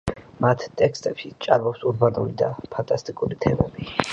მათ ტექსტებში ჭარბობს ურბანული და ფანტასტიკური თემები.